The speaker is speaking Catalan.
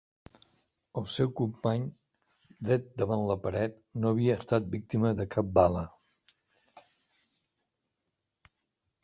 El seu company, dret davant la paret, no havia estat víctima de cap bala.